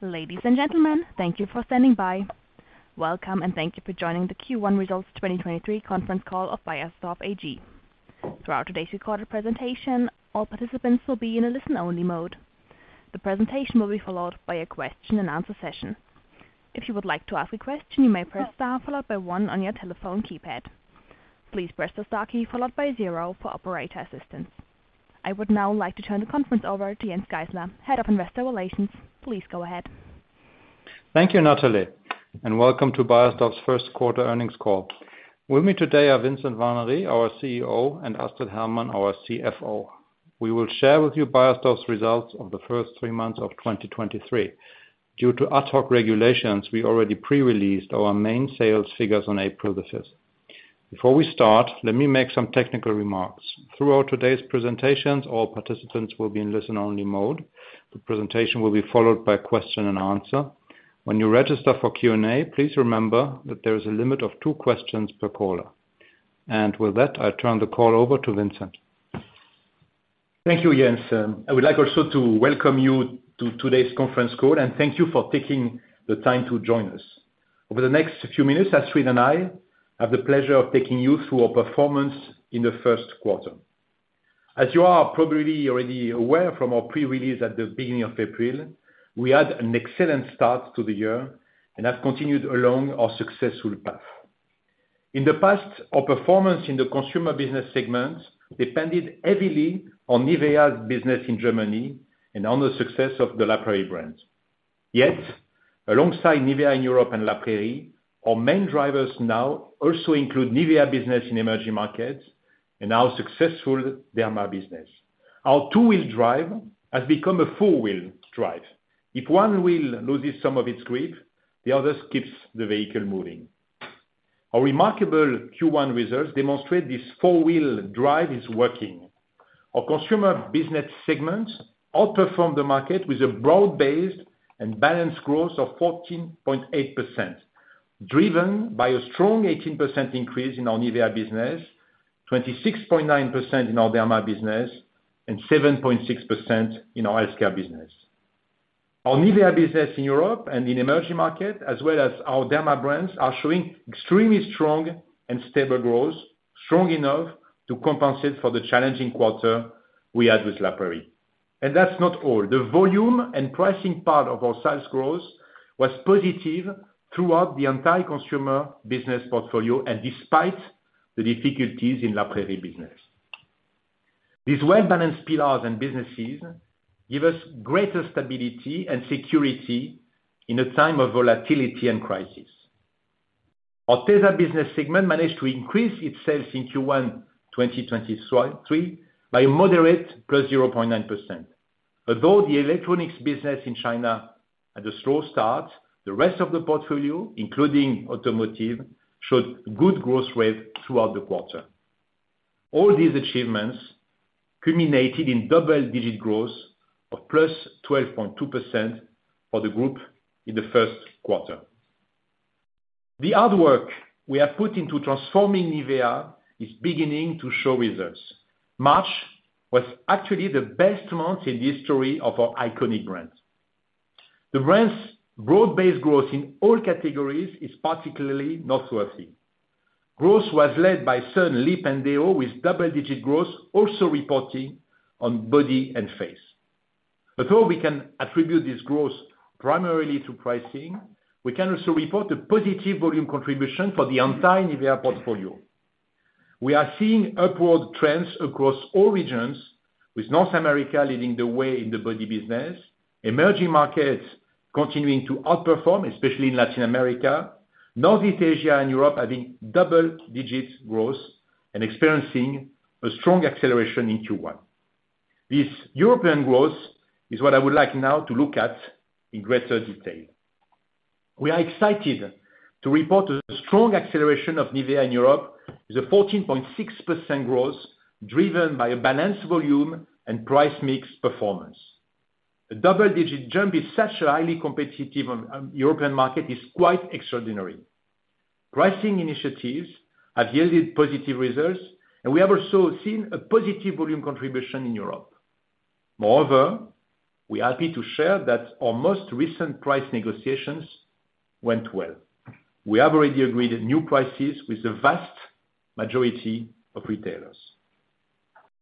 Ladies and gentlemen, thank you for standing by. Welcome and thank you for joining the Q1 Results 2023 conference call of Beiersdorf AG. Throughout today's recorded presentation, all participants will be in a listen-only mode. The presentation will be followed by a question and answer session. If you would like to ask a question, you may press star followed by one on your telephone keypad. Please press the star key followed by zero for operator assistance. I would now like to turn the conference over to Jens Geissler, Head of Investor Relations. Please go ahead. Thank you, Natalie. Welcome to Beiersdorf's first quarter earnings call. With me today are Vincent Warnery, our CEO, and Astrid Hermann, our CFO. We will share with you Beiersdorf's results of the first three months of 2023. Due to ad hoc regulations, we already pre-released our main sales figures on April 5th. Before we start, let me make some technical remarks. Throughout today's presentations, all participants will be in listen-only mode. The presentation will be followed by question and answer. When you register for Q&A, please remember that there is a limit of two questions per caller. With that, I turn the call over to Vincent. Thank you, Jens. I would like also to welcome you to today's conference call, and thank you for taking the time to join us. Over the next few minutes, Astrid and I have the pleasure of taking you through our performance in the first quarter. As you are probably already aware from our pre-release at the beginning of April, we had an excellent start to the year and have continued along our successful path. In the past, our performance in the consumer business segment depended heavily on NIVEA's business in Germany and on the success of the La Prairie brand. Yet, alongside NIVEA in Europe and La Prairie, our main drivers now also include NIVEA business in emerging markets and our successful Derma business. Our two-wheel drive has become a four-wheel drive. If one wheel loses some of its grip, the other keeps the vehicle moving. Our remarkable Q1 results demonstrate this four-wheel drive is working. Our consumer business segment outperformed the market with a broad-based and balanced growth of 14.8%, driven by a strong 18% increase in our NIVEA business, 26.9% in our Derma business, and 7.6% in our healthcare business. Our NIVEA business in Europe and in emerging market, as well as our Derma brands, are showing extremely strong and stable growth, strong enough to compensate for the challenging quarter we had with La Prairie. That's not all. The volume and pricing part of our sales growth was positive throughout the entire consumer business portfolio and despite the difficulties in La Prairie business. These well-balanced pillars and businesses give us greater stability and security in a time of volatility and crisis. Our tesa business segment managed to increase its sales in Q1 2023 by a moderate +0.9%. The electronics business in China had a slow start, the rest of the portfolio, including automotive, showed good growth rate throughout the quarter. All these achievements culminated in double-digit growth of +12.2% for the group in the 1st quarter. The hard work we have put into transforming NIVEA is beginning to show results. March was actually the best month in the history of our iconic brand. The brand's broad-based growth in all categories is particularly noteworthy. Growth was led by sun, lip, and deo, with double-digit growth also reporting on body and face. We can attribute this growth primarily to pricing, we can also report a positive volume contribution for the entire NIVEA portfolio. We are seeing upward trends across all regions, with North America leading the way in the body business, emerging markets continuing to outperform, especially in Latin America. Northeast Asia and Europe having double-digit growth and experiencing a strong acceleration in Q1. This European growth is what I would like now to look at in greater detail. We are excited to report a strong acceleration of NIVEA in Europe with a 14.6% growth, driven by a balanced volume and price mix performance. A double-digit jump in such a highly competitive European market is quite extraordinary. Pricing initiatives have yielded positive results, and we have also seen a positive volume contribution in Europe. Moreover, we are happy to share that our most recent price negotiations went well. We have already agreed new prices with the vast majority of retailers.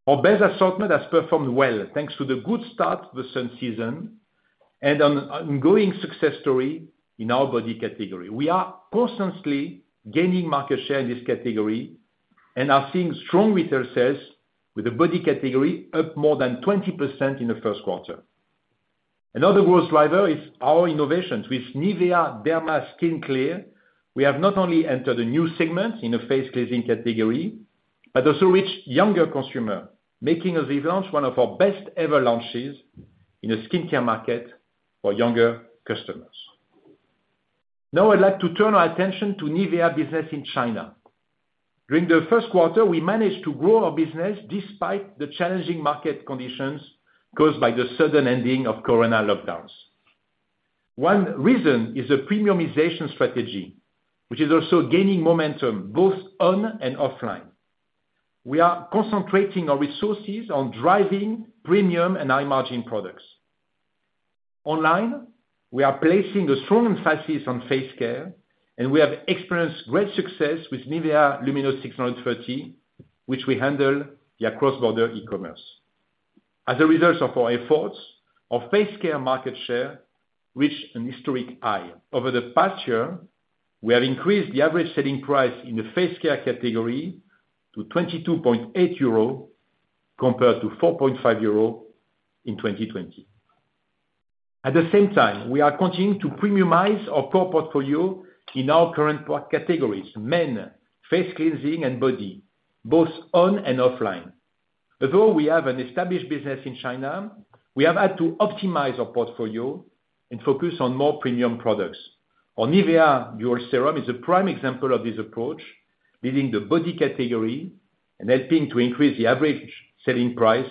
Our best assortment has performed well, thanks to the good start of the sun season and an ongoing success story in our body category. We are constantly gaining market share in this category and are seeing strong retail sales with the body category up more than 20% in the first quarter. Another growth driver is our innovations. With NIVEA Derma Skin Clear, we have not only entered a new segment in the face cleansing category, but also reached younger consumer, making this launch one of our best ever launches in the skincare market for younger customers. Now I'd like to turn our attention to NIVEA business in China. During the first quarter, we managed to grow our business despite the challenging market conditions caused by the sudden ending of corona lockdowns. One reason is the premiumization strategy, which is also gaining momentum both on and offline. We are concentrating our resources on driving premium and high margin products. Online, we are placing a strong emphasis on face care, and we have experienced great success with NIVEA LUMINOUS630, which we handle via cross-border e-commerce. As a result of our efforts, our face care market share reached an historic high. Over the past year, we have increased the average selling price in the face care category to 22.8 euro, compared to 4.5 euro in 2020. At the same time, we are continuing to premiumize our core portfolio in our current product categories, men, face cleansing and body, both on and offline. Although we have an established business in China, we have had to optimize our portfolio and focus on more premium products, or NIVEA Dual Serum is a prime example of this approach, leading the body category and helping to increase the average selling price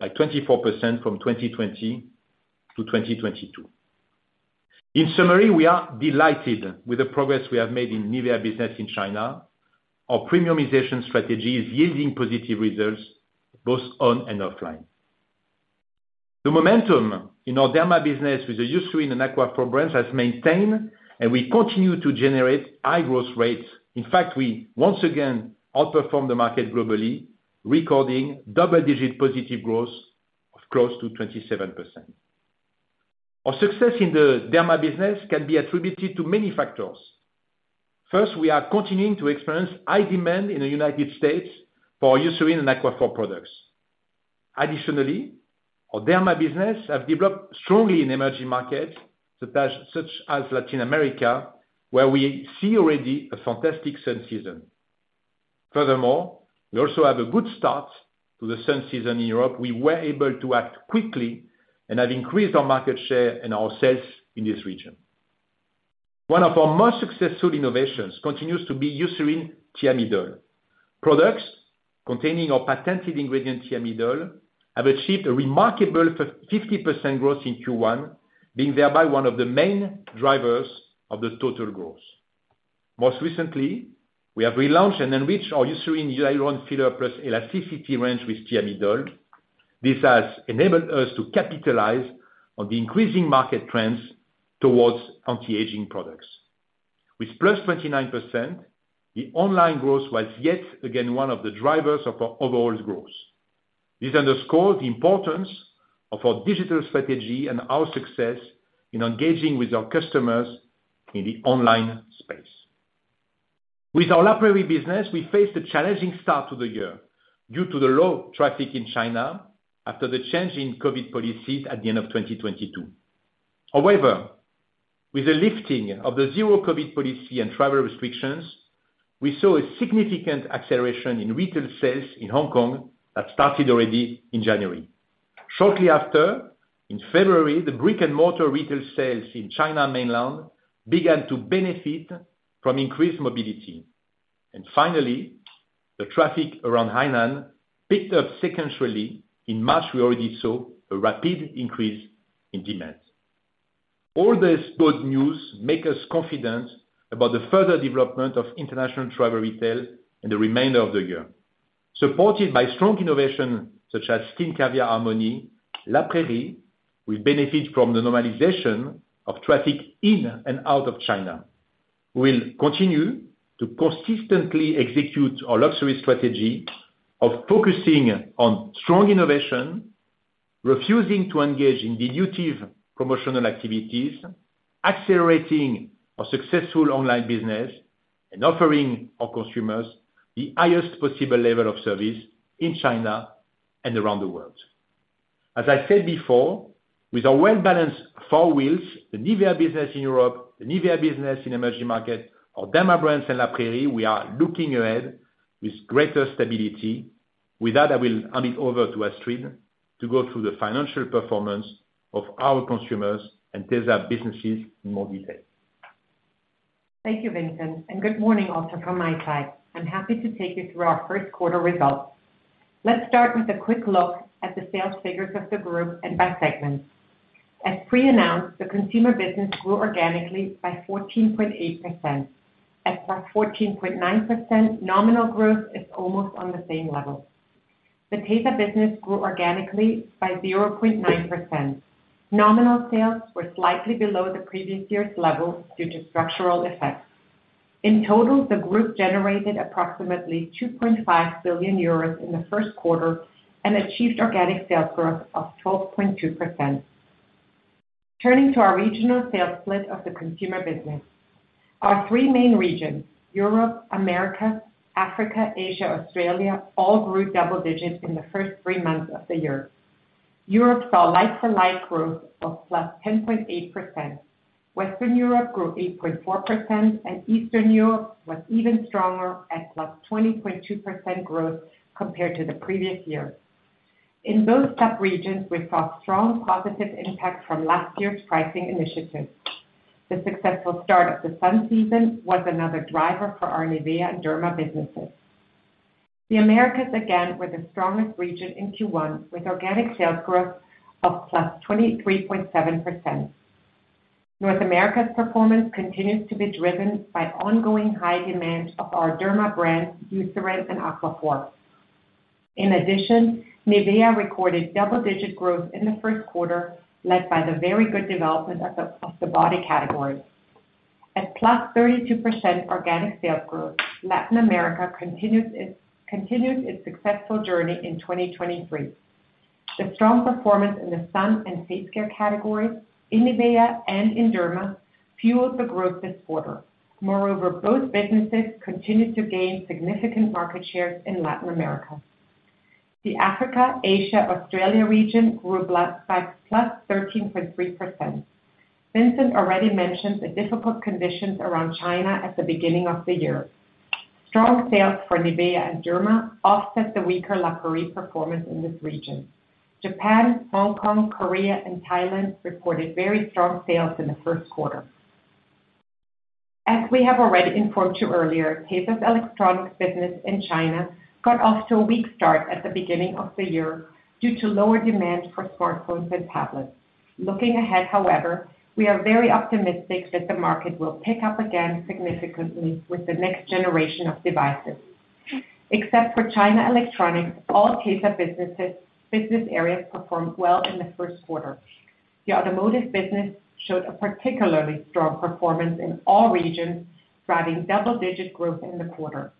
by 24% from 2020 to 2022. In summary, we are delighted with the progress we have made in NIVEA business in China. Our premiumization strategy is yielding positive results both on and offline. The momentum in our Derma business with the Eucerin and Aquaphor brands has maintained, and we continue to generate high growth rates. In fact, we once again outperformed the market globally, recording double-digit positive growth of close to 27%. Our success in the Derma business can be attributed to many factors. First, we are continuing to experience high demand in the U.S. for Eucerin and Aquaphor products. Additionally, our Derma business have developed strongly in emerging markets, such as Latin America, where we see already a fantastic sun season. Furthermore, we also have a good start to the sun season in Europe. We were able to act quickly and have increased our market share and our sales in this region. One of our most successful innovations continues to be Eucerin Thiamidol. Products containing our patented ingredient, Thiamidol, have achieved a remarkable 50% growth in Q1, being thereby one of the main drivers of the total growth. Most recently, we have relaunched and enriched our Eucerin Hyaluron-Filler+ Elasticity range with Thiamidol. This has enabled us to capitalize on the increasing market trends towards anti-aging products. With +29%, the online growth was yet again one of the drivers of our overall growth. This underscores the importance of our digital strategy and our success in engaging with our customers in the online space. With our La Prairie business, we faced a challenging start to the year due to the low traffic in China after the change in COVID policies at the end of 2022. With the lifting of the zero-COVID policy and travel restrictions, we saw a significant acceleration in retail sales in Hong Kong that started already in January. Shortly after, in February, the brick-and-mortar retail sales in China mainland began to benefit from increased mobility. Finally, the traffic around Hainan picked up sequentially. In March, we already saw a rapid increase in demand. All this good news make us confident about the further development of international travel retail in the remainder of the year. Supported by strong innovation such as Skin Caviar Harmony, La Prairie will benefit from the normalization of traffic in and out of China. We'll continue to consistently execute our luxury strategy of focusing on strong innovation, refusing to engage in dilutive promotional activities, accelerating our successful online business, and offering our consumers the highest possible level of service in China and around the world. As I said before, with our well-balanced four wheels, the NIVEA business in Europe, the NIVEA business in emerging market, our Derma brands, and La Prairie, we are looking ahead with greater stability. With that, I will hand it over to Astrid to go through the financial performance of our Consumer and tesa businesses in more detail. Thank you, Vincent. Good morning also from my side. I'm happy to take you through our first quarter results. Let's start with a quick look at the sales figures of the group and by segments. As pre-announced, the consumer business grew organically by 14.8%. At +14.9%, nominal growth is almost on the same level. The tesa business grew organically by 0.9%. Nominal sales were slightly below the previous year's level due to structural effects. In total, the group generated approximately 2.5 billion euros in the first quarter and achieved organic sales growth of 12.2%. Turning to our regional sales split of the consumer business. Our three main regions, Europe, America, Africa, Asia, Australia, all grew double digits in the first three months of the year. Europe saw like-for-like growth of +10.8%. Western Europe grew 8.4%, Eastern Europe was even stronger at +20.2% growth compared to the previous year. In both sub-regions, we saw strong positive impact from last year's pricing initiatives. The successful start of the sun season was another driver for our NIVEA and Derma businesses. The Americas, again, were the strongest region in Q1, with organic sales growth of +23.7%. North America's performance continues to be driven by ongoing high demand of our Derma brands, Eucerin and Aquaphor. In addition, NIVEA recorded double-digit growth in the first quarter, led by the very good development of the body category. At +32% organic sales growth, Latin America continues its successful journey in 2023. The strong performance in the sun and face care categories in NIVEA and in Derma fueled the growth this quarter. Moreover, both businesses continued to gain significant market shares in Latin America. The Africa, Asia, Australia region grew by +13.3%. Vincent already mentioned the difficult conditions around China at the beginning of the year. Strong sales for NIVEA and Derma offset the weaker La Prairie performance in this region. Japan, Hong Kong, Korea, and Thailand reported very strong sales in the first quarter. As we have already informed you earlier, tesa's electronics business in China got off to a weak start at the beginning of the year due to lower demand for smartphones and tablets. Looking ahead, however, we are very optimistic that the market will pick up again significantly with the next generation of devices. Except for China Electronics, all tesa businesses, business areas performed well in the first quarter. The automotive business showed a particularly strong performance in all regions, driving double-digit growth in the quarter.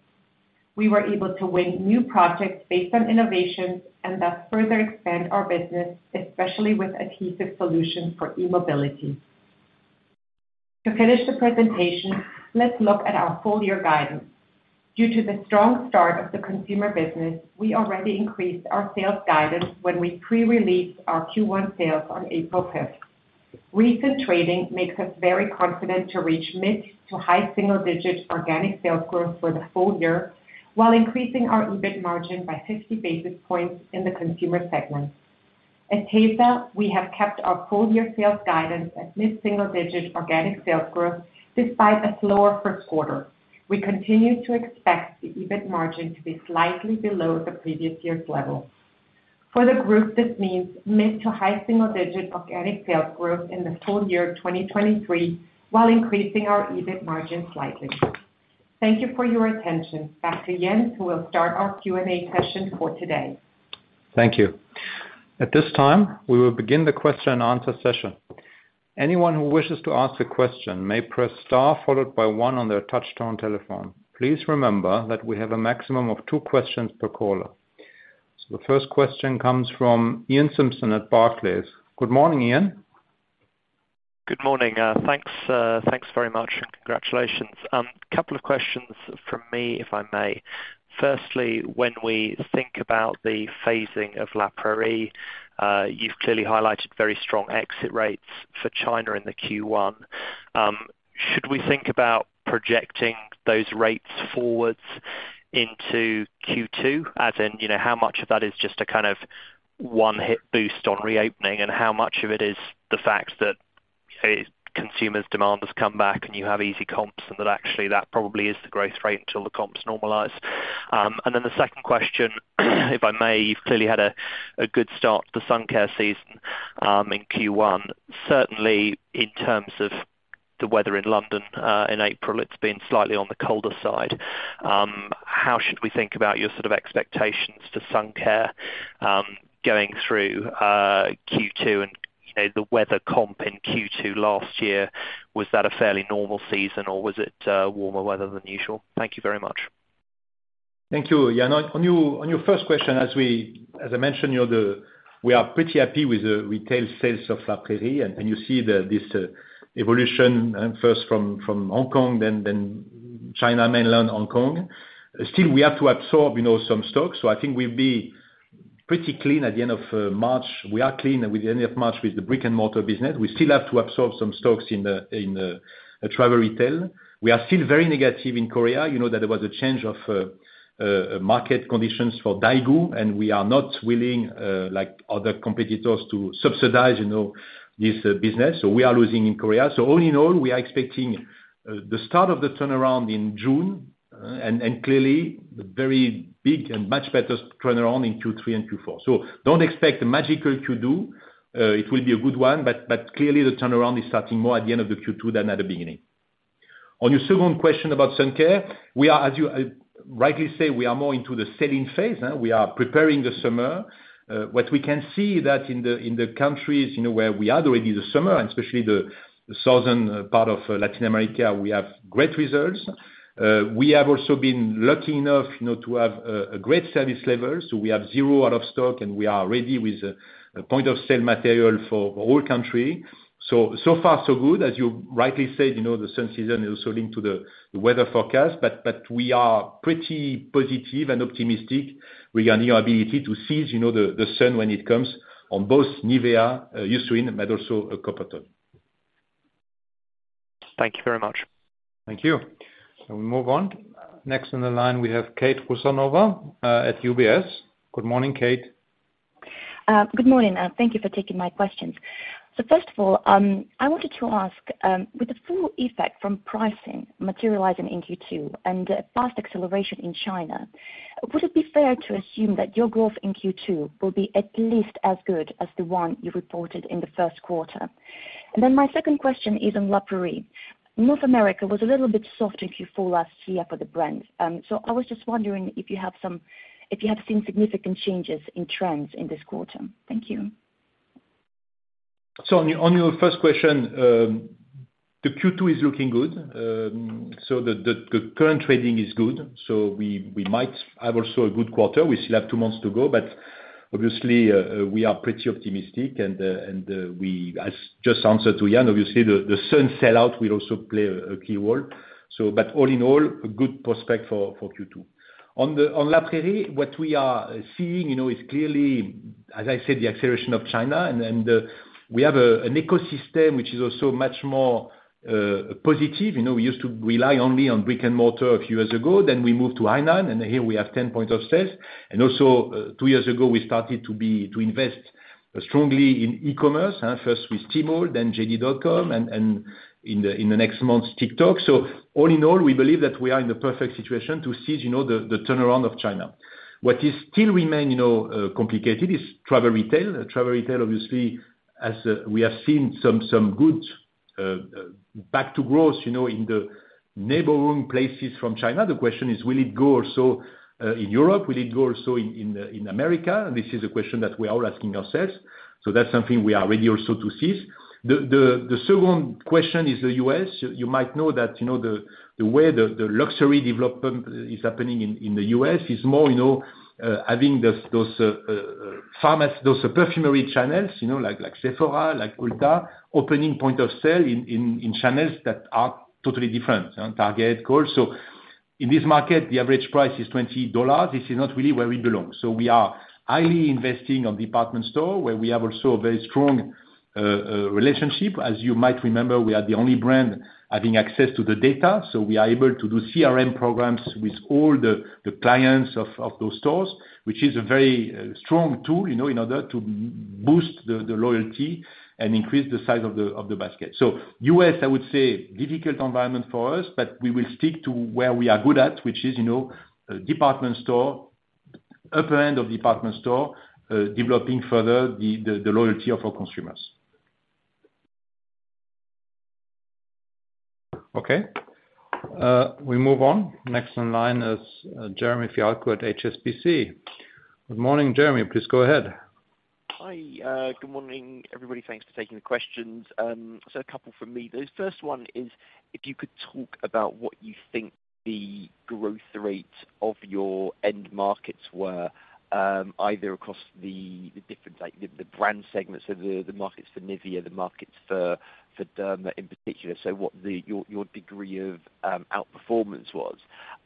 We were able to win new projects based on innovations and thus further expand our business, especially with adhesive solutions for e-mobility. To finish the presentation, let's look at our full year guidance. Due to the strong start of the consumer business, we already increased our sales guidance when we pre-released our Q1 sales on April fifth. Recent trading makes us very confident to reach mid-to high single-digit organic sales growth for the full year while increasing our EBIT margin by 50 basis points in the consumer segment. At tesa, we have kept our full-year sales guidance at mid-single-digit organic sales growth despite a slower first quarter. We continue to expect the EBIT margin to be slightly below the previous year's level. For the group, this means mid-to high single digit organic sales growth in the full year 2023 while increasing our EBIT margin slightly. Thank you for your attention. Back to Jens, who will start our Q&A session for today. Thank you. At this time, we will begin the question and answer session. Anyone who wishes to ask a question may press star followed by one on their touchtone telephone. Please remember that we have a maximum of two questions per caller. The first question comes from Iain Simpson at Barclays. Good morning, Iain. Good morning. Thanks, thanks very much and congratulations. Couple of questions from me, if I may. Firstly, when we think about the phasing of La Prairie, you've clearly highlighted very strong exit rates for China in the Q1. Should we think about projecting those rates forwards into Q2? As in, you know, how much of that is just a kind of one-hit boost on reopening, and how much of it is the fact that, you know, consumers' demand has come back and you have easy comps and that actually that probably is the growth rate until the comps normalize? Then the second question, if I may, you've clearly had a good start to the sun care season, in Q1. Certainly, in terms of the weather in London, in April, it's been slightly on the colder side. How should we think about your sort of expectations to sun care, going through Q2 and, you know, the weather comp in Q2 last year? Was that a fairly normal season, or was it warmer weather than usual? Thank you very much. Thank you, Iain. On your first question, as I mentioned, you know, we are pretty happy with the retail sales of La Prairie. You see this evolution first from Hong Kong, then China mainland, Hong Kong. Still, we have to absorb, you know, some stocks. I think we'll be pretty clean at the end of March. We are clean with the end of March with the brick-and-mortar business. We still have to absorb some stocks in travel retail. We are still very negative in Korea. You know that there was a change of market conditions for Daigou, we are not willing like other competitors to subsidize, you know, this business. We are losing in Korea. All in all, we are expecting the start of the turnaround in June. Clearly the very big and much better turnaround in Q3 and Q4. Don't expect a magical Q2. It will be a good one, but clearly the turnaround is starting more at the end of the Q2 than at the beginning. On your second question about sun care, we are, as you rightly say, we are more into the selling phase now. We are preparing the summer. What we can see that in the countries, you know, where we are already in the summer, and especially the southern part of Latin America, we have great results. We have also been lucky enough, you know, to have a great service level. We have 0 out of stock, and we are ready with a point-of-sale material for all country. So far so good. As you rightly said, you know, the sun season is also linked to the weather forecast. We are pretty positive and optimistic regarding our ability to seize, you know, the sun when it comes on both NIVEA, Eucerin, but also Coppertone. Thank you very much. Thank you. We move on. Next on the line, we have Kate Rusanova, at UBS. Good morning, Kate. Good morning, thank you for taking my questions. First of all, I wanted to ask, with the full effect from pricing materializing in Q2 and fast acceleration in China, would it be fair to assume that your growth in Q2 will be at least as good as the one you reported in the first quarter? My second question is on La Prairie. North America was a little bit soft Q4 last year for the brand. I was just wondering if you have seen significant changes in trends in this quarter. Thank you. On your first question, the Q2 is looking good. The current trading is good, so we might have also a good quarter. We still have two months to go, but obviously, we are pretty optimistic and we. As just answered to Iain, obviously the sun sell-out will also play a key role. All in all, a good prospect for Q2. On La Prairie, what we are seeing, you know, is clearly, as I said, the acceleration of China and we have an ecosystem which is also much more positive. You know, we used to rely only on brick and mortar a few years ago, then we moved to Hainan, and here we have 10 point of sales. Also, two years ago we started to invest strongly in e-commerce, first with Tmall, then JD.com and in the next months, TikTok. All in all, we believe that we are in the perfect situation to seize, you know, the turnaround of China. What is still remain, you know, complicated is travel retail. Travel retail obviously as we have seen some good back to growth, you know, in the neighboring places from China. The question is will it go also in Europe? Will it go also in America? This is a question that we are all asking ourselves. That's something we are ready also to seize. The second question is the U.S. You might know that, you know, the way the luxury development is happening in the US is more, you know, having those perfumery channels, you know, like Sephora, like Ulta, opening point of sale in channels that are totally different. Target, of course. In this market, the average price is $20. This is not really where we belong. So we are highly investing on department store, where we have also a very strong relationship. As you might remember, we are the only brand having access to the data, so we are able to do CRM programs with all the clients of those stores, which is a very strong tool, you know, in order to boost the loyalty and increase the size of the basket. U.S., I would say difficult environment for us, but we will stick to where we are good at, which is, you know, department store, upper end of department store, developing further the loyalty of our consumers. Okay. We move on. Next in line is Jeremy Fialko at HSBC. Good morning, Jeremy. Please go ahead. Hi. Good morning, everybody. Thanks for taking the questions. A couple from me. The first one is if you could talk about what you think the growth rate of your end markets were, either across the different, like, the brand segments of the markets for NIVEA, the markets for Derma in particular. What your degree of outperformance was.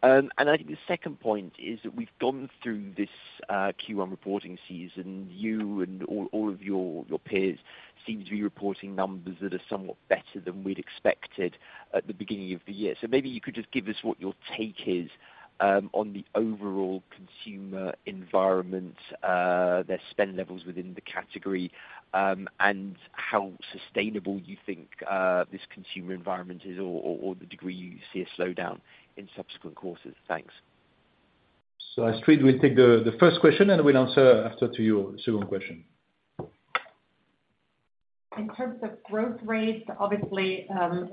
I think the second point is that we've gone through this Q1 reporting season. You and all of your peers seem to be reporting numbers that are somewhat better than we'd expected at the beginning of the year. Maybe you could just give us what your take is, on the overall consumer environment, their spend levels within the category, and how sustainable you think, this consumer environment is or the degree you see a slowdown in subsequent courses. Thanks. Astrid will take the first question, and I will answer after to your second question. In terms of growth rates, obviously, I'm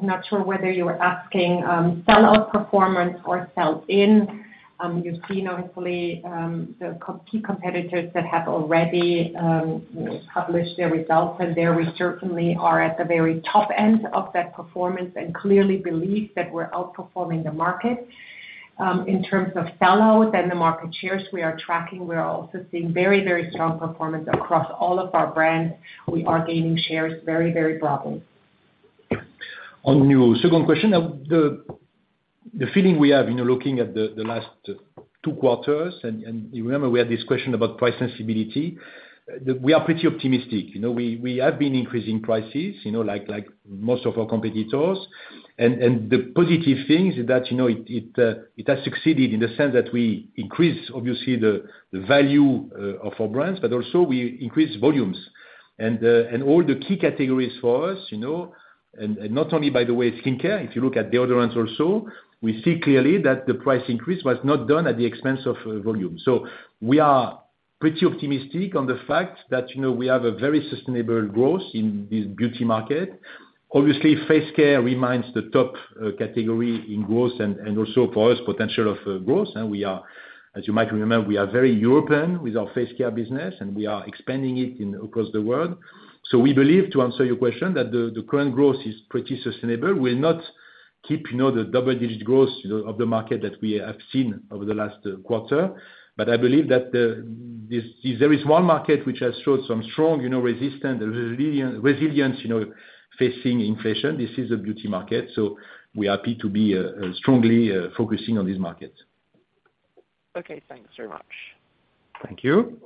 not sure whether you are asking, sell-out performance or sell-in. You've seen obviously, the key competitors that have already, you know, published their results. There we certainly are at the very top end of that performance and clearly believe that we're outperforming the market. In terms of sell-out and the market shares we are tracking, we are also seeing very, very strong performance across all of our brands. We are gaining shares very, very broadly. On your second question, the feeling we have, you know, looking at the last two quarters and you remember we had this question about price sensibility, that we are pretty optimistic. You know, we have been increasing prices, you know, like most of our competitors. The positive things that, you know, it has succeeded in the sense that we increase obviously the value of our brands, but also we increase volumes and all the key categories for us, you know, and not only by the way, skincare, if you look at deodorants also, we see clearly that the price increase was not done at the expense of volume. We are pretty optimistic on the fact that, you know, we have a very sustainable growth in this beauty market. Obviously, face care remains the top category in growth and also for us, potential of growth. We are, as you might remember, we are very European with our face care business, and we are expanding it across the world. We believe, to answer your question, that the current growth is pretty sustainable. We'll not keep, you know, the double-digit growth of the market that we have seen over the last quarter. I believe that this there is one market which has showed some strong, you know, resilience, you know, facing inflation. This is a beauty market. We are happy to be strongly focusing on this market. Okay, thanks very much. Thank you.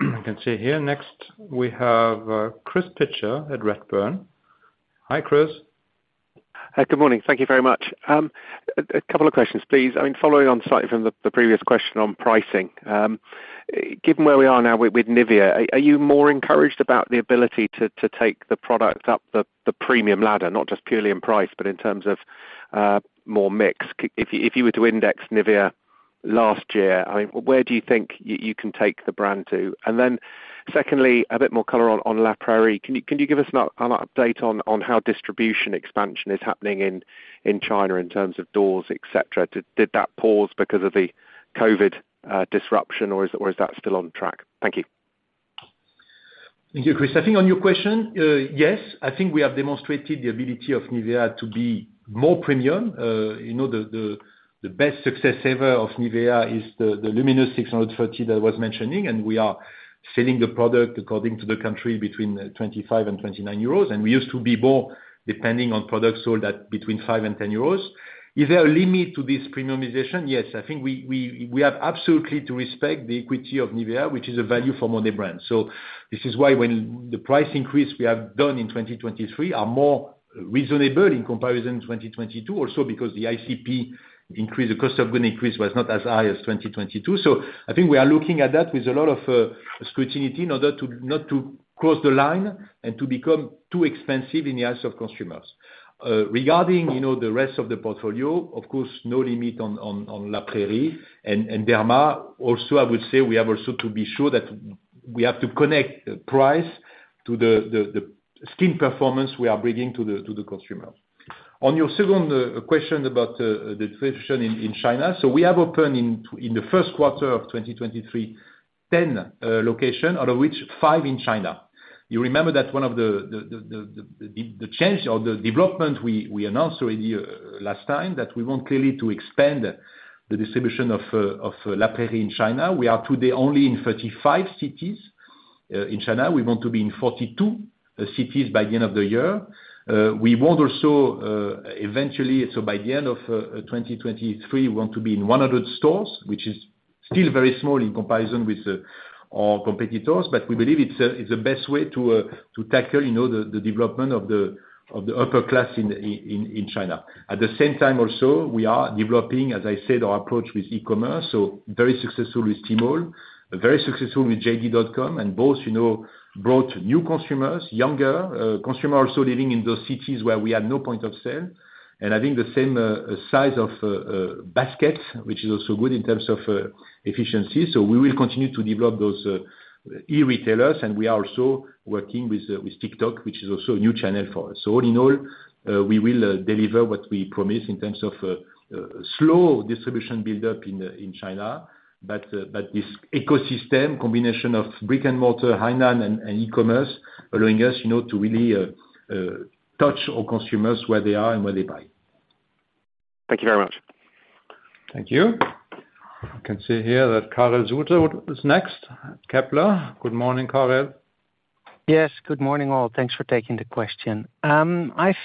I can see here next we have, Chris Pitcher at Redburn. Hi, Chris. Good morning. Thank you very much. A couple of questions, please. Following on slightly from the previous question on pricing, given where we are now with NIVEA, are you more encouraged about the ability to take the product up the premium ladder, not just purely in price, but in terms of more mix? If you were to index NIVEA last year, where do you think you can take the brand to? Secondly, a bit more color on La Prairie. Can you give us an update on how distribution expansion is happening in China in terms of doors, et cetera? Did that pause because of the COVID disruption or is that still on track? Thank you. Thank you, Chris. I think on your question, yes. I think we have demonstrated the ability of NIVEA to be more premium. You know, the best success ever of NIVEA is the LUMINOUS630 that I was mentioning, and we are selling the product according to the country between 25 and 29 euros. We used to be more depending on products sold at between 5 and 10 euros. Is there a limit to this premiumization? Yes. I think we have absolutely to respect the equity of NIVEA, which is a value for money brand. This is why when the price increase we have done in 2023 are more reasonable in comparison to 2022 also because the ICP increase, the cost of good increase was not as high as 2022. I think we are looking at that with a lot of scrutiny in order to, not to cross the line and to become too expensive in the eyes of consumers. Regarding, you know, the rest of the portfolio, of course, no limit on La Prairie and Derma. I would say we have also to be sure that we have to connect price to the skin performance we are bringing to the consumer. On your second question about the distribution in China. We have opened in the first quarter of 2023, 10 location out of which five in China. You remember that one of the change or the development we announced already last time that we want clearly to expand the distribution of La Prairie in China. We are today only in 35 cities in China. We want to be in 42 cities by the end of the year. We want also eventually, so by the end of 2023, we want to be in 100 stores, which is still very small in comparison with our competitors. We believe it's the best way to tackle, you know, the development of the upper class in China. At the same time also, we are developing, as I said, our approach with e-commerce, so very successful with Tmall, very successful with JD.com. Both, you know, brought new consumers, younger consumer also living in those cities where we had no point of sale. I think the same size of basket, which is also good in terms of efficiency. We will continue to develop those e-retailers. We are also working with TikTok, which is also a new channel for us. All in all, we will deliver what we promised in terms of slow distribution build up in China. This ecosystem combination of brick and mortar, high-end and e-commerce allowing us, you know, to really touch our consumers where they are and where they buy. Thank you very much. Thank you. I can see here that Karel Zoete is next. Kepler. Good morning, Karel. Yes, good morning all. Thanks for taking the question. I've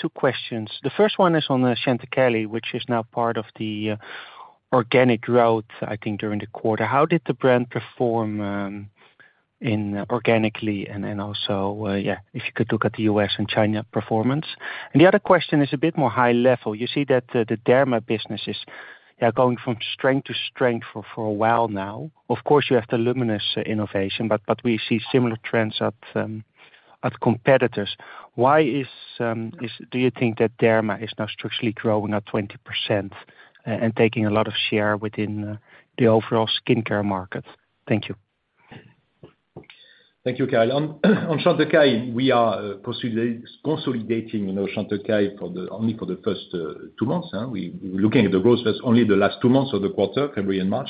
two questions. The first one is on the Chantecaille, which is now part of the organic growth, I think, during the quarter. How did the brand perform organically and then also, if you could look at the U.S. and China performance. The other question is a bit more high level. You see that the Derma businesses are going from strength to strength for a while now. Of course you have the LUMINOUS innovation, but we see similar trends at competitors. Why is, do you think that Derma is now structurally growing at 20% and taking a lot of share within the overall skincare market? Thank you. Thank you, Karel. On Chantecaille, we are consolidating, you know, Chantecaille for the only for the first two months, huh? We looking at the growth first only the last two months of the quarter, February and March,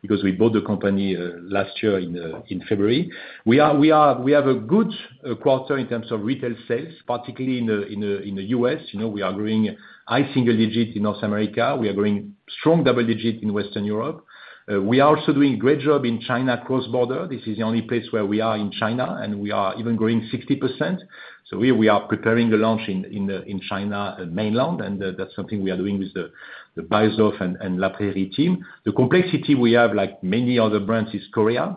because we bought the company last year in February. We have a good quarter in terms of retail sales, particularly in the U.S. You know, we are growing high single digits in North America. We are growing strong double digits in Western Europe. We are also doing great job in China cross-border. This is the only place where we are in China, and we are even growing 60%. We are preparing the launch in the China mainland, and that's something we are doing with the Beiersdorf and La Prairie team. The complexity we have, like many other brands, is Korea.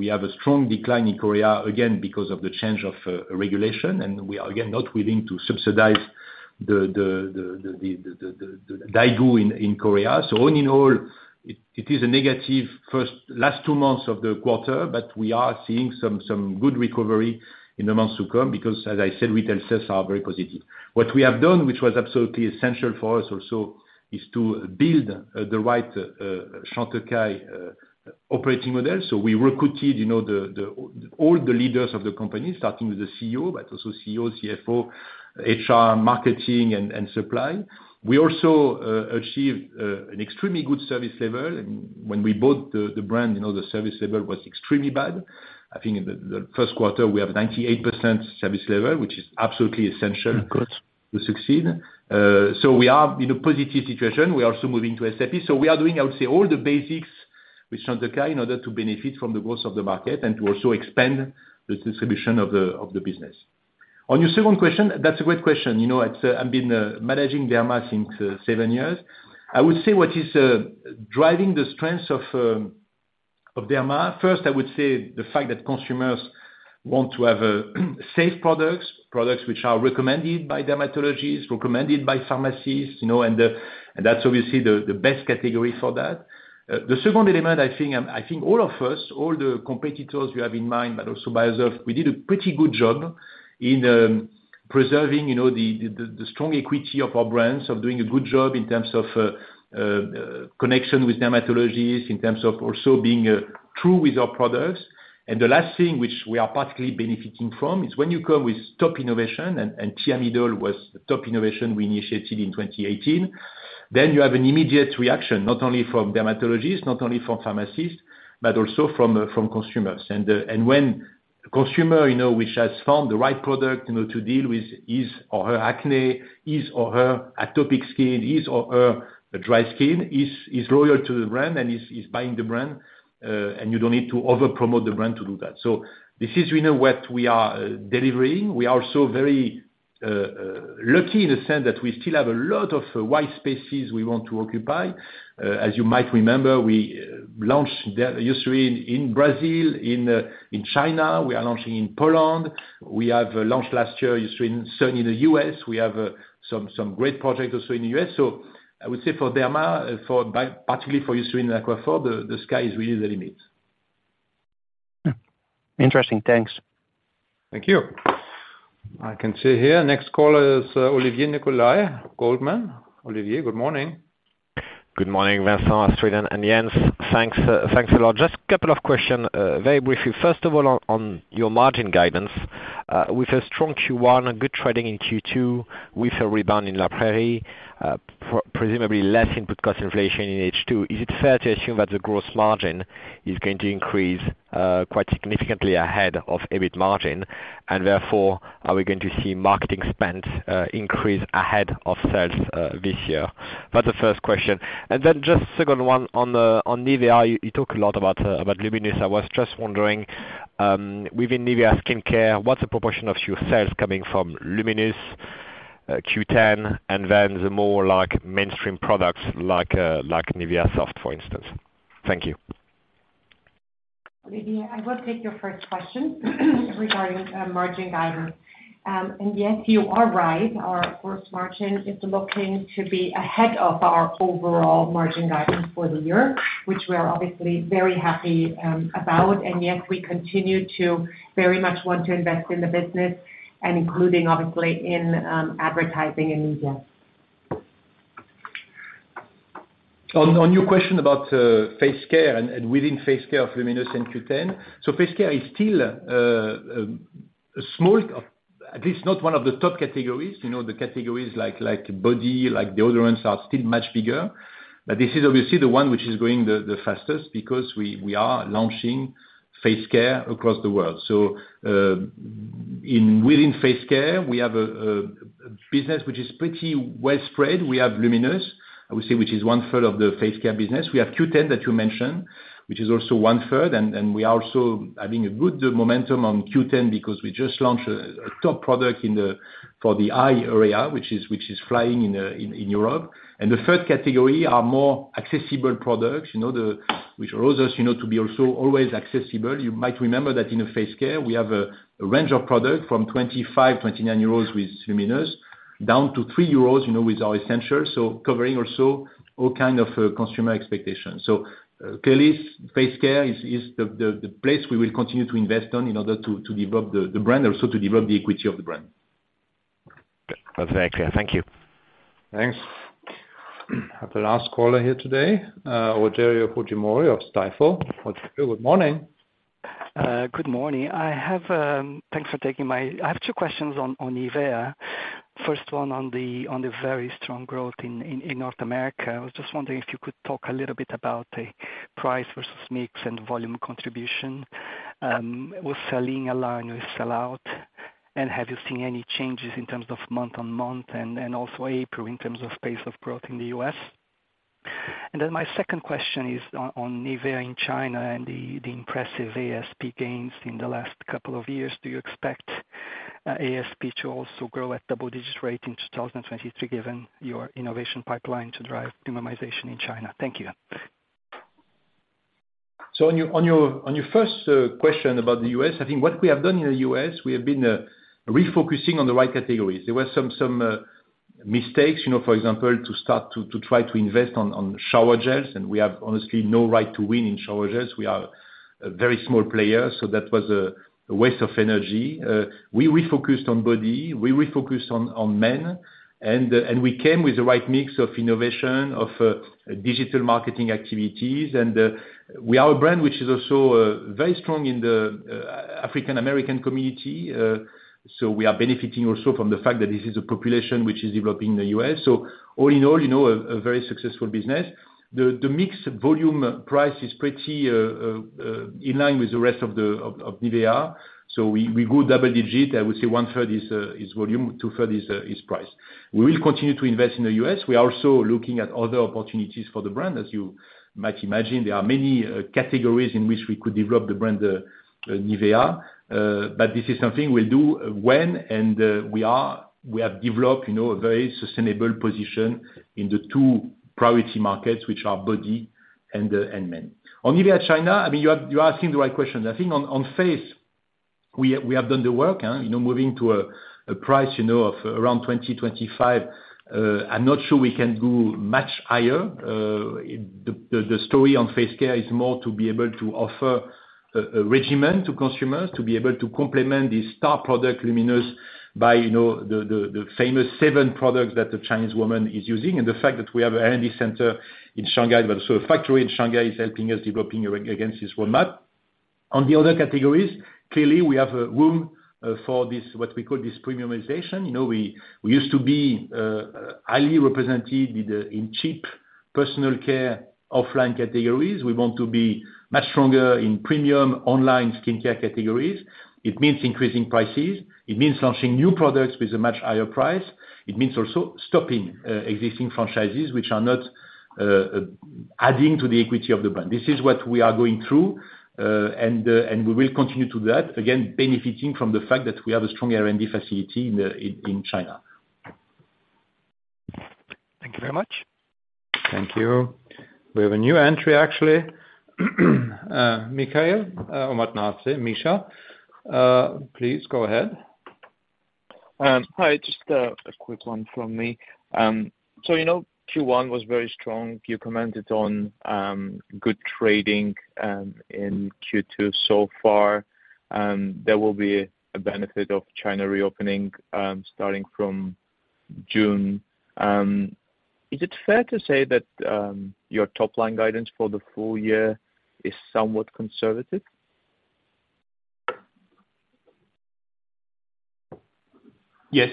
We have a strong decline in Korea, again, because of the change of regulation. We are, again, not willing to subsidize the Daigou in Korea. All in all, it is a negative first last two months of the quarter. We are seeing some good recovery in the months to come because, as I said, retail sales are very positive. What we have done, which was absolutely essential for us also, is to build the right Chantecaille operating model. We recruited, you know, the all the leaders of the company, starting with the CEO, but also CEO, CFO, HR, marketing and supply. We also achieved an extremely good service level. When we bought the brand, you know, the service level was extremely bad. I think in the first quarter we have 98% service level, which is absolutely essential... Of course. To succeed. We are in a positive situation. We are also moving to SAP. We are doing, I would say, all the basics with Chantecaille in order to benefit from the growth of the market and to also expand the distribution of the business. On your second question, that's a great question. You know, it's, I've been managing Derma since seven years. I would say what is driving the strengths of Derma, first, I would say the fact that consumers want to have safe products which are recommended by dermatologists, recommended by pharmacies, you know, and that's obviously the best category for that. The second element, I think, I think all of us, all the competitors we have in mind, but also Beiersdorf, we did a pretty good job in preserving, you know, the strong equity of our brands, of doing a good job in terms of connection with dermatologists, in terms of also being true with our products. The last thing which we are partially benefiting from is when you come with top innovation and Thiamidol was the top innovation we initiated in 2018. You have an immediate reaction, not only from dermatologists, not only from pharmacists, but also from consumers. When a consumer, you know, which has found the right product, you know, to deal with his or her acne, his or her atopic skin, his or her dry skin is loyal to the brand and is buying the brand, and you don't need to over-promote the brand to do that. This is, you know, what we are delivering. We are also very lucky in the sense that we still have a lot of wide spaces we want to occupy. As you might remember, we launched the Eucerin in Brazil, in China, we are launching in Poland. We have launched last year Eucerin in the U.S. We have some great projects also in the U.S. I would say for Derma, particularly for Eucerin Aquaphor, the sky is really the limit. Hmm. Interesting. Thanks. Thank you. I can see here next caller is, Olivier Nicolai, Goldman. Olivier, good morning. Good morning, Vincent, Astrid, and Jens. Thanks a lot. Just a couple of questions very briefly. First of all, on your margin guidance, with a strong Q1, a good trading in Q2 with a rebound in La Prairie, presumably less input cost inflation in H2, is it fair to assume that the gross margin is going to increase quite significantly ahead of EBIT margin? Therefore, are we going to see marketing spend increase ahead of sales this year? That's the first question. Then just second one on NIVEA, you talk a lot about Luminous. I was just wondering, within NIVEA Skincare, what's the proportion of your sales coming from Luminous, Q10, and then the more like mainstream products like NIVEA Soft, for instance. Thank you. Olivier, I will take your first question regarding margin guidance. Yes, you are right. Our gross margin is looking to be ahead of our overall margin guidance for the year, which we are obviously very happy about. Yes, we continue to very much want to invest in the business and including obviously in advertising and media. On your question about face care and within face care of Luminous and Q10. Face care is still a small, at least not one of the top categories. You know, the categories like body, like deodorants, are still much bigger. This is obviously the one which is growing the fastest because we are launching face care across the world. Within face care, we have a business which is pretty well spread. We have Luminous, I would say, which is 1/3 of the face care business. We have Q10 that you mentioned, which is also 1/3. We are also having a good momentum on Q10 because we just launched a top product for the eye area, which is flying in Europe. The third category are more accessible products, you know, which allows us, you know, to be also always accessible. You might remember that in face care, we have a range of product from 25-29 euros with LUMINOUS630 down to 3 euros, you know, with our essential. Covering also all kind of consumer expectations. Clearly face care is the place we will continue to invest on in order to develop the brand, also to develop the equity of the brand. That's very clear. Thank you. Thanks. The last caller here today, Rogério Fujimori of Stifel. Rogério, good morning. Good morning. I have, thanks for taking my... I have two questions on NIVEA. First one on the very strong growth in North America. I was just wondering if you could talk a little bit about the price versus mix and volume contribution. Was selling in line with sell out, and have you seen any changes in terms of month-on-month and also April in terms of pace of growth in the U.S.? My second question is on NIVEA in China and the impressive ASP gains in the last couple of years. Do you expect ASP to also grow at double-digit rate in 2023, given your innovation pipeline to drive premiumization in China? Thank you. On your first question about the U.S., I think what we have done in the U.S., we have been refocusing on the right categories. There were some mistakes, you know, for example, to start to try to invest on shower gels, and we have honestly no right to win in shower gels. We are a very small player, so that was a waste of energy. We refocused on body, we refocused on men, and we came with the right mix of innovation of digital marketing activities. We are a brand which is also very strong in the African American community. We are benefiting also from the fact that this is a population which is developing in the U.S. All in all, you know, a very successful business. The mix volume price is pretty in line with the rest of NIVEA. We go double digit. I would say one third is volume, two third is price. We will continue to invest in the U.S. We are also looking at other opportunities for the brand. As you might imagine, there are many categories in which we could develop the brand, NIVEA. This is something we'll do when, and we have developed, you know, a very sustainable position in the two priority markets, which are body and men. On NIVEA China, I mean, you are asking the right questions. I think on face. We have done the work, you know, moving to a price, you know, of around 20-25. I'm not sure we can go much higher. The story on face care is more to be able to offer a regimen to consumers, to be able to complement the star product LUMINOUS630 by, you know, the famous seven products that the Chinese woman is using. The fact that we have R&D center in Shanghai, but also a factory in Shanghai, is helping us developing against this roadmap. On the other categories, clearly we have room for this, what we call this premiumization. You know, we used to be highly represented in cheap personal care offline categories. We want to be much stronger in premium online skincare categories. It means increasing prices. It means launching new products with a much higher price. It means also stopping existing franchises which are not adding to the equity of the brand. This is what we are going through, and we will continue to do that, again, benefiting from the fact that we have a strong R&D facility in China. Thank you very much. Thank you. We have a new entry, actually. Mikhail, or what not say, Misha, please go ahead. Hi, just a quick one from me. You know, Q1 was very strong. You commented on good trading in Q2 so far. There will be a benefit of China reopening starting from June. Is it fair to say that your top line guidance for the full year is somewhat conservative? Yes.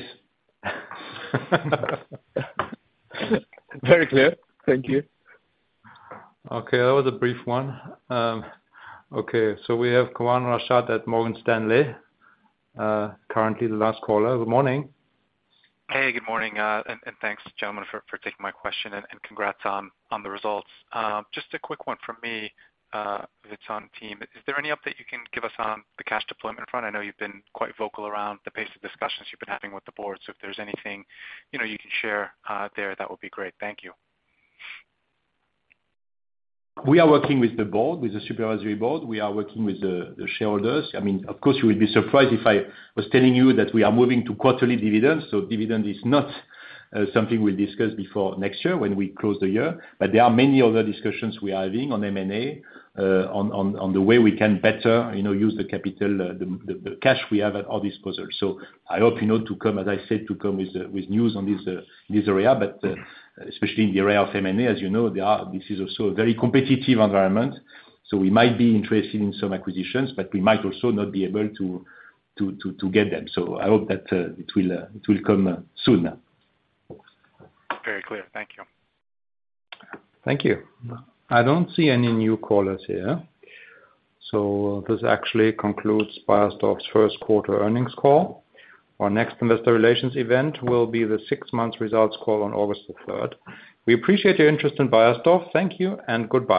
Very clear. Thank you. Okay. That was a brief one. We have Rashad Kawan at Morgan Stanley, currently the last caller. Good morning. Hey, good morning. And thanks gentlemen for taking my question and congrats on the results. Just a quick one from me, if it's on team. Is there any update you can give us on the cash deployment front? I know you've been quite vocal around the pace of discussions you've been having with the Board, so if there's anything, you know, you can share, there, that would be great. Thank you. We are working with the board, with the supervisory board. We are working with the shareholders. I mean, of course, you will be surprised if I was telling you that we are moving to quarterly dividends, so dividend is not something we'll discuss before next year when we close the year. There are many other discussions we are having on M&A, on the way we can better, you know, use the capital, the cash we have at our disposal. I hope, you know, as I said, to come with news on this area. Especially in the area of M&A, as you know, there are, this is also a very competitive environment. We might be interested in some acquisitions, but we might also not be able to get them. I hope that, it will, it will come, soon. Very clear. Thank you. Thank you. I don't see any new callers here. This actually concludes Beiersdorf's first quarter earnings call. Our next investor relations event will be the six months results call on August the third. We appreciate your interest in Beiersdorf. Thank you and goodbye.